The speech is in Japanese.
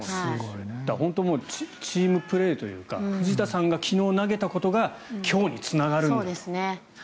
本当にチームプレーというか藤田さんが昨日投げたことが今日につながると。